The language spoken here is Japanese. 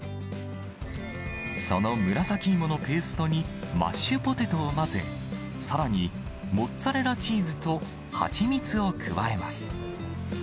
その紫芋のペーストに、マッシュポテトを混ぜ、さらにモッツァレラチーズと蜂蜜を加えます。